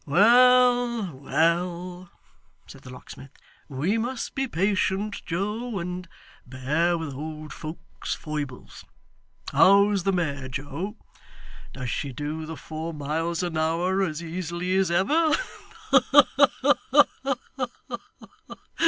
'Well, well!' said the locksmith. 'We must be patient, Joe, and bear with old folks' foibles. How's the mare, Joe? Does she do the four miles an hour as easily as ever? Ha, ha, ha!